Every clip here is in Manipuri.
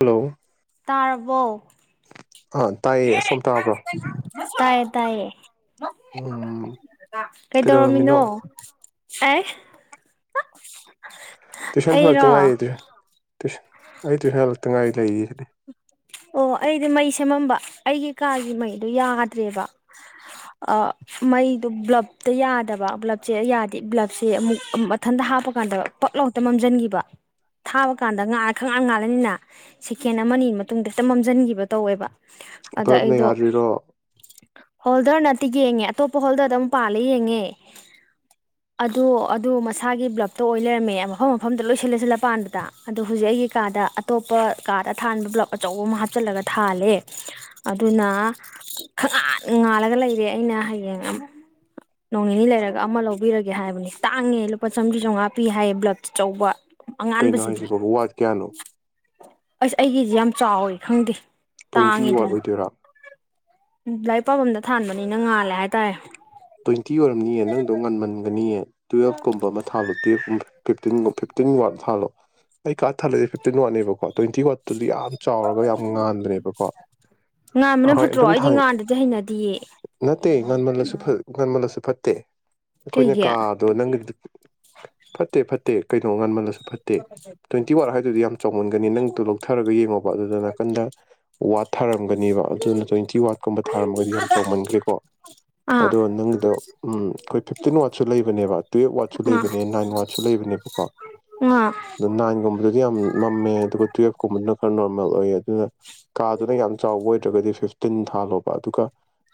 ꯍꯜꯂꯣ ꯇꯥꯔꯕꯣ ꯑꯥ ꯇꯥꯏꯌꯦ ꯁꯣꯝ ꯇꯥꯕ꯭ꯔꯣ ꯇꯥꯏꯌꯦ ꯇꯥꯏꯌꯦ ꯎꯝ ꯀꯩꯗꯧꯔꯝꯃꯤꯅꯣ ꯑꯦ ꯍꯥ ꯇꯨꯏꯁꯟ ꯍꯂꯛꯇꯉꯥꯏꯌꯦ ꯇꯨꯏꯁ ꯇꯨꯏꯁ ꯑꯩ ꯇꯨꯏꯁꯟ ꯍꯜꯂꯛꯇꯉꯥꯏ ꯂꯩꯌꯦ ꯁꯤꯗ ꯑꯣ ꯑꯩꯗꯤ ꯃꯩ ꯁꯦꯝꯃꯝꯕ ꯑꯩꯒꯤ ꯀꯥꯒꯤ ꯃꯩꯗꯣ ꯌꯥꯗ꯭ꯔꯦꯕ ꯑꯥ ꯃꯩꯗꯣ ꯕ꯭ꯂꯞꯇ ꯌꯥꯗꯕ ꯕ꯭ꯂꯞꯁꯦ ꯌꯥꯗꯦ ꯕ꯭ꯂꯞꯁꯦ ꯑꯃꯨꯛ ꯃꯊꯟꯗ ꯍꯥꯞꯄ ꯀꯥꯟꯗ ꯄꯛꯂꯥꯎ ꯍꯦꯛꯇ ꯃꯝꯖꯟꯒꯤꯕ ꯊꯥꯕ ꯀꯥꯟꯗ ꯉꯥꯜꯂ ꯈꯪ ꯉꯥꯡ ꯉꯥꯜꯂꯅꯤꯅ ꯁꯦꯀꯦꯟ ꯑꯃꯅꯤ ꯑꯅꯤ ꯃꯇꯨꯡꯗ ꯍꯦꯛꯇ ꯃꯝꯁꯤꯟꯈꯤꯕ ꯇꯧꯋꯦꯕ ꯑꯗ ꯚ꯭ꯜꯞꯅ ꯑꯩꯗꯣ ꯌꯥꯗ꯭ꯔꯤꯔꯣ ꯍꯣꯜꯗꯔ ꯅꯠꯇꯦ ꯌꯦꯡꯉꯦ ꯑꯇꯣꯞꯄ ꯍꯣꯜꯗꯔꯗ ꯑꯃꯨꯛ ꯄꯥꯜꯂ ꯌꯦꯡꯉꯦ ꯑꯗꯨ ꯑꯗꯨ ꯃꯁꯥꯒꯤ ꯕ꯭ꯂꯞꯇ ꯑꯣꯏ ꯂꯩꯔꯝꯃꯦ ꯃꯐꯝ ꯃꯐꯝꯗ ꯂꯣꯏ ꯁꯤꯜꯂ ꯁꯤꯜꯂ ꯄꯥꯟꯗ ꯑꯗꯣ ꯍꯧꯖꯤꯛ ꯑꯩ ꯑꯩꯒꯤ ꯀꯥꯗ ꯑꯇꯣꯞꯄ ꯀꯥꯗ ꯊꯥꯟꯕ ꯕ꯭ꯜꯞ ꯑꯆꯧꯕ ꯑꯃ ꯍꯥꯞꯆꯤꯜꯂꯒ ꯊꯥꯜꯂꯦ ꯑꯗꯨꯅ ꯈꯪꯉꯥꯟ ꯉꯥꯜꯂꯒ ꯂꯩꯔꯦ ꯑꯩꯅ ꯍꯌꯦꯡ ꯅꯣꯡ ꯅꯤꯅꯤ ꯂꯩꯔꯒ ꯑꯃ ꯂꯧꯕꯤꯔꯒꯦ ꯍꯥꯏꯕꯅꯦ ꯇꯥꯡꯉꯦ ꯂꯨꯄꯥ ꯆꯥꯝꯔꯤ ꯆꯥꯝꯃꯉꯥ ꯄꯤ ꯍꯥꯏꯌꯦ ꯕ꯭ꯂꯕ ꯑꯆꯧꯕ ꯀꯩꯅꯣ ꯑꯉꯥꯟꯕꯁꯤꯗꯤ ꯍꯥꯏꯁꯤꯕꯣ ꯋꯥꯠ ꯀꯌꯥꯅꯣ ꯑꯁ ꯑꯩꯒꯤꯁꯤ ꯌꯥꯝ ꯆꯥꯎꯋꯤ ꯈꯪꯗꯦ ꯇ꯭ꯋꯦꯟꯇꯤ ꯇꯥꯡꯉꯤ ꯋꯥꯠ ꯗꯨꯅ ꯑꯣꯏꯗꯣꯏꯔꯥ ꯎꯝ ꯂꯥꯏꯔꯤꯛ ꯄꯥꯐꯝꯗ ꯊꯥꯟꯕꯅꯤꯅ ꯉꯥꯜꯂꯦ ꯍꯥꯏꯇꯥꯔꯦ ꯇ꯭ꯋꯦꯟꯇꯤ ꯑꯣꯏꯔꯝꯅꯤꯌꯦ ꯅꯪꯗꯣ ꯉꯟꯃꯟꯒꯅꯤꯌꯦ ꯇꯨꯌꯦꯜꯐꯀꯨꯝꯕ ꯑꯃ ꯊꯥꯂꯣ ꯇꯨꯌꯦꯜꯐꯀꯨꯝꯕ ꯐꯤꯚꯇꯤꯟ ꯒꯨꯝ ꯐꯤꯚꯇꯤꯟ ꯋꯥꯔꯗ ꯊꯥꯂꯣ ꯑꯩ ꯀ ꯊꯥꯜꯂꯤ ꯐꯤꯚꯇꯤꯟ ꯋꯥꯠꯅꯦꯕꯀꯣ ꯇ꯭ꯋꯦꯟꯇꯤ ꯋꯥꯠꯇꯨꯗꯤ ꯌꯥꯝ ꯆꯥꯎꯔꯒ ꯌꯥꯝ ꯉꯥꯟꯕꯅꯦꯕꯀꯣ ꯉꯥꯟꯕꯅ ꯑꯍꯣꯏ ꯐꯠꯇ꯭ꯔꯣ ꯑꯗꯨꯝ ꯑꯩꯗꯤ ꯊꯥꯡ ꯉꯥꯟꯗꯗꯤ ꯍꯩꯅꯗꯤ ꯅꯠꯇꯦ ꯉꯥꯟꯃꯜꯂꯁꯨ ꯐꯥ ꯉꯟꯃꯜꯂꯁꯨ ꯐꯠꯇꯦ ꯑꯩꯈꯣꯏꯅ ꯀꯩꯒꯤ ꯑꯥ ꯀꯥꯗꯣ ꯅꯪ ꯐꯠꯇꯦ ꯐꯠ ꯇꯦ ꯀꯩꯅꯣ ꯉꯟꯃꯜꯂꯁꯨ ꯐꯠꯇꯦ ꯇ꯭ꯋꯦꯟꯇꯤ ꯋꯥꯠ ꯍꯥꯏꯗꯨꯗꯤ ꯌꯥꯝꯅ ꯆꯥꯎꯃꯟꯒꯅꯤ ꯅꯪꯗꯨ ꯂꯧꯊꯔꯒ ꯌꯦꯡꯉꯣꯕ ꯑꯗꯨꯗ ꯅꯥꯀꯟꯗ ꯋꯥꯠ ꯊꯥꯔꯝꯒꯅꯤꯕ ꯑꯗꯨꯗꯨꯅ ꯇ꯭ꯋꯦꯟꯇꯤ ꯋꯥꯠꯀꯨꯝꯕ ꯊꯥꯔꯝꯃꯒꯗꯤ ꯌꯥꯝ ꯆꯥꯎꯃꯟꯒ꯭ꯔꯦꯀꯣ ꯑꯗꯣ ꯑꯥ ꯅꯪꯒꯤꯗꯣ ꯎꯝ ꯑꯩꯈꯣꯏ ꯐꯤꯚꯇꯤꯟ ꯋꯥꯠꯁꯨ ꯂꯩꯕꯅꯦꯕ ꯇꯨꯌꯦꯞ ꯋꯥꯠꯁꯨ ꯂꯩꯕꯅꯦ ꯅꯥꯏꯟ ꯋꯥꯠꯁꯨ ꯂꯩꯕꯅꯦꯕꯀꯣ ꯑ ꯗꯣ ꯅꯥꯏꯟꯒꯨꯝꯕꯗꯨꯗꯤ ꯌꯥꯝ ꯃꯝꯃꯦ ꯑꯗꯨꯒ ꯇꯨꯋꯦꯜꯐꯀꯨꯝꯕꯗꯨꯅ ꯈꯔ [unintelligible] ꯅꯣꯔꯃꯦꯜ ꯑꯣꯏꯌꯦ ꯑꯗꯨꯅ ꯀꯥꯗꯨꯅ ꯌꯥꯝ ꯆꯥꯎꯕ ꯑꯣꯏꯗ꯭ꯔꯒꯗꯤ ꯐꯤꯚꯇꯤꯟ ꯊꯥꯜꯂꯣꯕ ꯑꯗꯨꯒ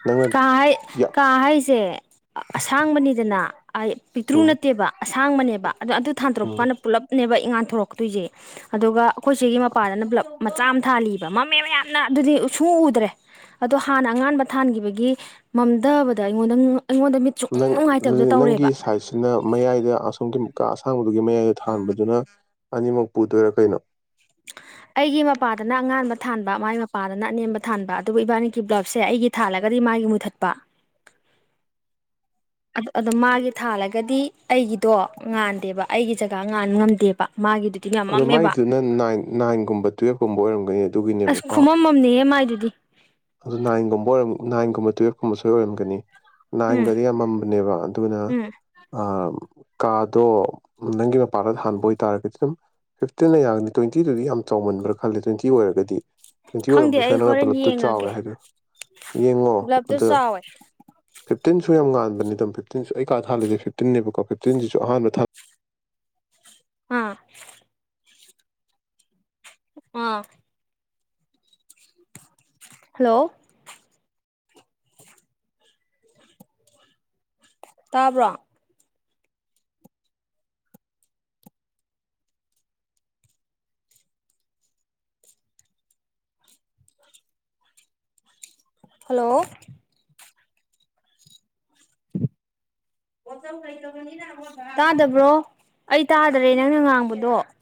ꯅꯪꯅ ꯀꯥ ꯍꯥꯏ ꯌꯥ ꯀꯥ ꯍꯥꯏꯁꯦ ꯑꯁꯥꯡꯕꯅꯤꯗꯅ ꯑꯥꯢ ꯄꯤꯛꯇ꯭ꯔꯨ ꯎꯝ ꯅꯠꯇꯦꯕ ꯑꯁꯥꯡꯕꯅꯦꯕ ꯑꯗꯣ ꯑꯗꯨ ꯊꯥꯟꯗꯣꯔꯛꯄ ꯎꯝ ꯀꯥꯟꯗ ꯄꯨꯂꯞꯅꯦꯕ ꯢꯉꯥꯟ ꯊꯣꯔꯛꯇꯣꯏꯁꯦ ꯑꯗꯨꯒ ꯑꯩꯈꯣꯏꯁꯤꯒꯤ ꯃꯄꯥꯗꯅ ꯕ꯭ꯂꯕ ꯃꯆꯥ ꯑꯃ ꯊꯥꯜꯂꯤꯕ ꯃꯝꯃꯦꯕ ꯌꯥꯝꯅ ꯑꯗꯨꯗꯤ ꯁꯨ ꯎ ꯎꯗ꯭ꯔꯦ ꯑꯗꯣ ꯍꯥꯟꯅ ꯑꯉꯥꯟꯕ ꯊꯥꯟꯒꯤꯕꯒꯤ ꯃꯝꯊꯕꯗ ꯑꯩꯉꯣꯟꯗ ꯑꯩꯉꯣꯟꯗ ꯃꯤꯠ ꯁꯨꯡ ꯅꯪ ꯅꯨꯡꯉꯥꯏꯇꯕꯗꯣ [unintelligible] ꯅꯪꯒꯤ ꯇꯧꯔꯦꯕ ꯁꯥꯏꯠꯁꯤꯅ ꯃꯌꯥꯏꯗ ꯑꯁꯣꯝꯒꯤ ꯀꯥ ꯑꯁꯥꯡꯕꯗꯨꯒꯤ ꯃꯌꯥꯏꯗ ꯊꯥꯟꯕꯗꯨꯅ ꯑꯅꯤꯃꯛ ꯄꯨꯗꯣꯏꯔꯥ ꯀꯩꯅꯣ ꯑꯩꯒꯤ ꯃꯄꯥꯗꯅ ꯑꯉꯥꯟꯕ ꯊꯥꯟꯕ ꯃꯥꯥꯏ ꯃꯄꯥꯗꯅ ꯑꯅꯦꯝꯕ ꯊꯥꯟꯕ ꯑꯗꯨꯕꯨ ꯏꯕꯥꯅꯤꯒꯤ ꯕ꯭ꯂꯕꯁꯦ ꯑꯩꯒꯤ ꯊꯥꯜꯂꯒ ꯗꯤ ꯃꯥꯒꯤ ꯃꯨꯊꯠꯄ [inaudible] ꯑꯗꯣ ꯃꯥꯒꯤ ꯊꯥꯜꯂꯒꯗꯤ ꯑꯩꯒꯤꯗꯣ ꯉꯥꯟꯗꯦꯕ ꯑꯩꯒꯤ ꯖꯒꯥ ꯉꯥꯟ ꯉꯝꯗꯦꯕ ꯃꯥꯒꯤꯗꯨꯗꯤ ꯌꯥꯝ ꯑꯗꯣ ꯃꯝꯃꯦꯕ ꯃꯥꯏꯗꯨꯅ ꯅꯥꯏꯟ ꯅꯥꯏꯟꯒꯨꯝꯕ ꯇꯨꯋꯦꯜꯞꯀꯨꯝꯕ ꯑꯣꯏꯔꯝꯒꯅꯤ ꯑꯁ ꯑꯗꯨꯒꯤꯅꯦꯕꯀꯣ ꯈꯨꯃꯝꯃꯝꯅꯦꯍꯦ ꯃꯥꯏꯗꯨꯗꯤ ꯑꯗꯨ ꯅꯥꯏꯟꯒꯨꯝꯕꯔ [unintelligible] ꯅꯥꯏꯟꯒꯨꯝꯕ ꯇꯨꯌꯦꯜꯐꯀꯨꯝꯕ ꯁꯣꯏ ꯑꯣꯏꯔꯝꯒꯅꯤ ꯎꯝ ꯅꯥꯏꯟꯒꯗꯤ ꯌꯥꯝꯃꯝꯕꯅꯦꯕ ꯑꯗꯨꯅ ꯎꯝ ꯑꯥ ꯀꯥꯗꯣ ꯅꯪꯒꯤ ꯃꯄꯥꯥꯟꯗ ꯊꯥꯟꯕ ꯑꯣꯏꯇꯥꯔꯒꯗꯤ ꯗꯨꯝ ꯐꯤꯞꯇꯤꯟꯅ ꯌꯥꯒꯅꯤ ꯇ꯭ꯋꯦꯟꯇꯤꯗꯨꯗꯤ ꯌꯥꯝ ꯆꯥꯎꯃꯟꯕ꯭ꯔ ꯈꯜꯂꯦ ꯇ꯭ꯋꯦꯟꯇꯤ ꯑꯣꯏꯔꯒꯗꯤ ꯇ꯭ꯋꯦꯟꯇꯤ ꯈꯪꯗꯦ ꯑꯩ ꯑꯣꯏꯔꯝꯕꯁꯨꯌꯥꯏ ꯅꯪꯅ ꯍꯣꯔꯦꯟ ꯄꯨꯜꯂꯞꯇ ꯌꯦꯡꯉꯒꯦ ꯆꯥꯎꯋꯦ ꯍꯥꯏ [unintelligible] ꯌꯦꯡꯉꯣ ꯕ꯭ꯂꯞꯇꯣ ꯑꯗꯨ ꯆꯥꯎꯋꯦ ꯐꯤꯞꯇꯤꯟ ꯁꯨ ꯌꯥꯝ ꯉꯥꯟꯕꯅꯤ ꯑꯗꯨꯝ ꯐꯤꯞꯇꯤꯟꯁꯨ ꯑꯩ ꯀꯥ ꯊꯥꯜꯂꯤꯁꯦ ꯐꯤꯞꯇꯤꯟꯅꯦꯕꯀꯣ ꯐꯤꯞꯇꯤꯟꯁꯤꯁꯨ ꯑꯍꯥꯟꯕ ꯊꯥ ꯑꯥ ꯑꯥ ꯍꯜꯂꯣ ꯇꯥꯕ꯭ꯔꯣ ꯍꯜꯂꯣ [inaudible] [unintelligible] ꯇꯥꯗꯕ꯭ꯔꯣ ꯑꯩ ꯇꯥꯗꯔꯦ ꯅꯪꯅ ꯉꯥꯡꯕꯗꯣ